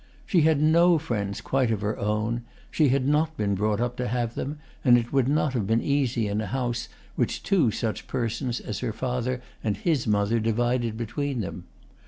She had no friends quite of her own; she had not been brought up to have them, and it would not have been easy in a house which two such persons as her father and his mother divided between them.